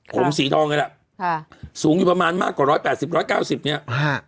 ผมสีทองไงล่ะสูงอยู่ประมาณมากกว่า๑๘๐๑๙๐เนี่ย